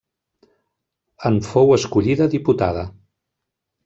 En fou escollida diputada.